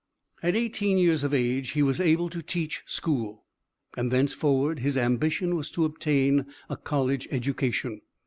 At eighteen years of age he was able to teach school, and thenceforward his ambition was to obtain a college education.